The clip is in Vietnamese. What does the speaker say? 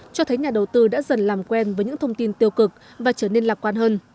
cho thấy nhà đầu tư đã dần làm quen với những thông tin tiêu cực và trở nên lạc quan hơn